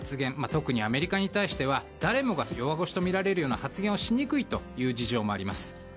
特にアメリカに対しては、誰もが弱腰とみられるような発言をしにくいという事情もあります。